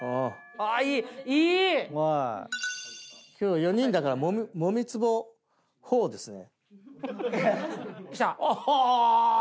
今日４人だからもみつぼ４ですね。